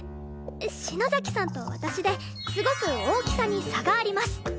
篠崎さんと私ですごく大きさに差があります。